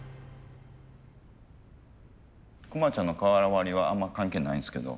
クマちゃんの瓦割りはあんま関係ないんですけど。